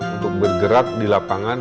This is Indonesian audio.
untuk bergerak di lapangan